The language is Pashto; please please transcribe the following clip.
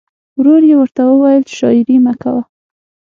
ورور یې ورته وویل چې شاعري مه کوه